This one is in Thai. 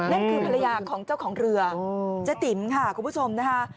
นั่นคือภรรยาของเจ้าของเรือเจ๊ติ๋มค่ะคุณผู้ชมนะคะ